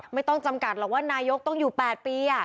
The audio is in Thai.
ไม่ต้องจำกัดหรอกว่านายกต้องอยู่๘ปี